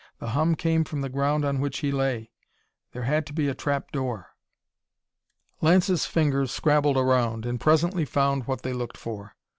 The hum came from the ground on which he lay. There had to be a trap door. Lance's fingers scrabbled around, and presently found what they looked for.